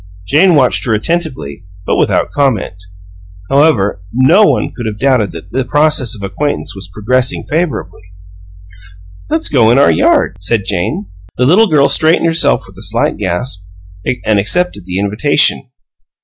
Jane watched her attentively, but without comment. However, no one could have doubted that the processes of acquaintance were progressing favorably. "Let's go in our yard," said Jane. The little girl straightened herself with a slight gasp, and accepted the invitation.